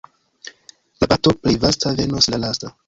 La parto plej vasta venos la lasta.